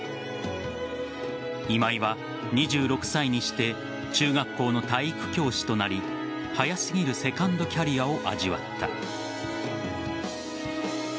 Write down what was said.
今井は２６歳にして中学校の体育教師となり早すぎるセカンドキャリアを味わった。